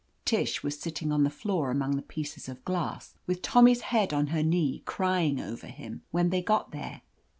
Tish was sitting on the floor among the pieces of glass, with Tommy's head on her knee, crying over him, when they got there.